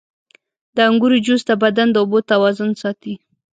• د انګورو جوس د بدن د اوبو توازن ساتي.